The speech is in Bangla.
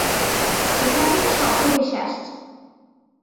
সেখান থেকে শব্দ ভেসে আসছে।